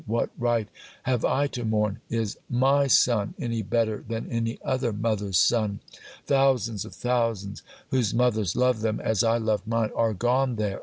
What right have I to mourn? Is my son any better than any other mother's son? Thousands of thousands, whose mothers loved them as I loved mine, are gone there!